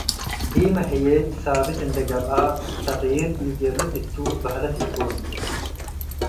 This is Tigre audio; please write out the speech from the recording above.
ዲመ ህዬ ሳብት እንዴ ገብአ፡ ተቅዬር ኢጀሬ እቱ በህለት ኢኮን ።